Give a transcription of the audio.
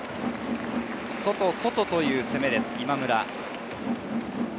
外、外という攻めです。